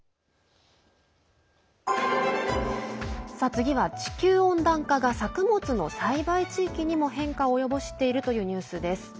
次は地球温暖化が作物の栽培地域にも変化を及ぼしているというニュースです。